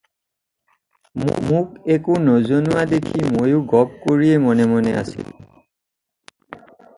মোক একো নজনোৱা দেখি ময়ো গপ কৰিয়েই মনে মনে আছিলোঁ।